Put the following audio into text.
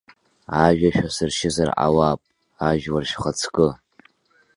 Ажәа шәасыршьызар ҟалап, ажәлар шәхаҵкы!